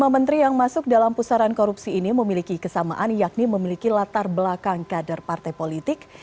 lima menteri yang masuk dalam pusaran korupsi ini memiliki kesamaan yakni memiliki latar belakang kader partai politik